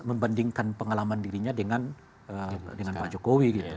dia membandingkan pengalaman dirinya dengan pak jokowi